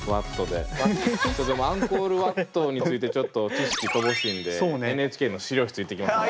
でもアンコールワットについてちょっと知識乏しいんでＮＨＫの資料室行ってきます。